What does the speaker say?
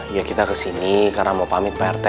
iya kita kesini karena mau pamit pak rt